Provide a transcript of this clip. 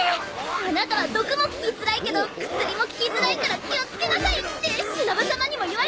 あなたは毒も効きづらいけど薬も効きづらいから気を付けなさいってしのぶさまにも言われたでしょ！